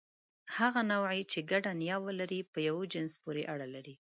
هغه نوعې، چې ګډه نیا ولري، په یوه جنس پورې اړه لري.